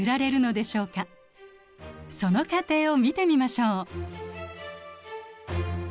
その過程を見てみましょう。